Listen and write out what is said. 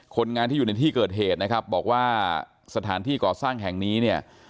คนงานที่อยู่ในที่เกิดเหตุนะครับบอกว่าสถานที่ก่อสร้างแห่งนี้เนี่ย